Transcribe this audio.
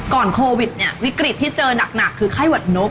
ก่อนโควิดวิกฤตที่เจอนักคือไข้หวดนก